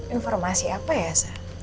informasi apa ya sa